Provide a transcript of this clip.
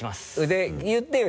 で言ってよ？